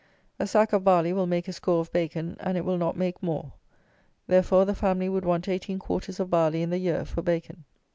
A sack of barley will make a score of bacon, and it will not make more. Therefore, the family would want 18 quarters of barley in the year for bacon.